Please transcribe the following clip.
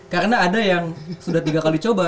karena ada yang sudah tiga kali coba